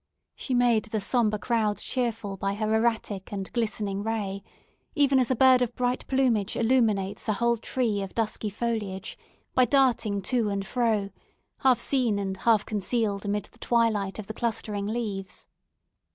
She made the sombre crowd cheerful by her erratic and glistening ray, even as a bird of bright plumage illuminates a whole tree of dusky foliage by darting to and fro, half seen and half concealed amid the twilight of the clustering leaves.